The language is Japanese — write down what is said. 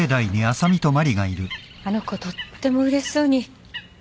あの子とってもうれしそうに。